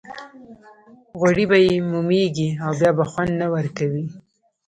غوړي به یې مومېږي او بیا به خوند نه ورکوي.